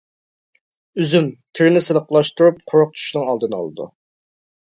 ئۈزۈم، تېرىنى سىلىقلاشتۇرۇپ قۇرۇق چۈشۈشنىڭ ئالدىنى ئالىدۇ.